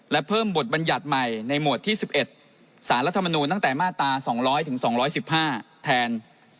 และเพิ่มบทบัญญัติใหม่ในหมวดที่๑๑สารรัฐมนูลตั้งแต่มาตรา๒๐๐๒๑๕แทน